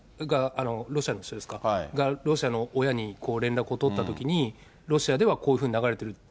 が、ロシアの親に連絡を取ったときに、ロシアではこういうふうに流れてる。